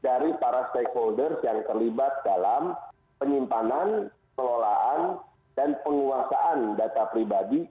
dari para stakeholders yang terlibat dalam penyimpanan kelolaan dan penguasaan data pribadi